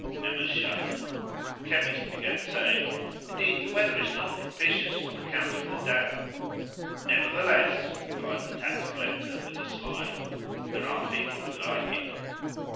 Emma shuddered. The chemist began saying "Indeed the weather is not propitious on account of the damp." "Nevertheless," replied the tax collector, with a sly look, "there are people who like it."